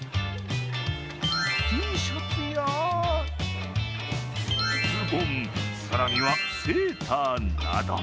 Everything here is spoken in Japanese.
Ｔシャツや、ズボン、更にはセーターなど。